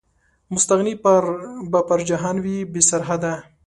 مستغني به پر جهان وي، بې سرحده